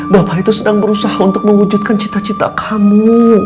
bapak itu sedang berusaha untuk mewujudkan cita cita kamu